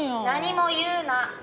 何も言うな。